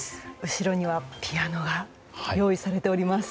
後ろにはピアノが用意されております。